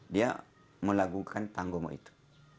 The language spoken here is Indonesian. dia melakukan tanggungan itu